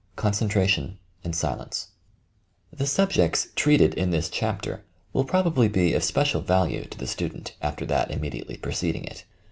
CONCENTRATION AND SILENCE The subjects treated in this chapter will probably be of special value to the student, after that immediately preceding it.